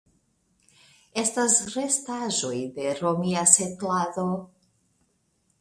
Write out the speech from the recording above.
Estas restaĵoj de romia setlado.